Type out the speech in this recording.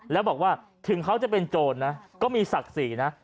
แล้วบอกว่าถึงเขาจะเป็นโจรนะก็มีศักดิ์ศรีนะ